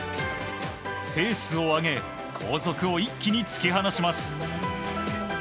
ペースを上げ後続を一気に突き放します。